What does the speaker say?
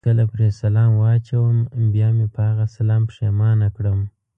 چې کله پرې سلام واچوم بیا مې په هغه سلام پښېمانه کړم.